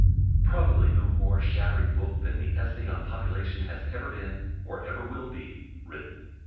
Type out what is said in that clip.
Probably no more shattering book than the Essay on Population has ever been, or ever will be, written.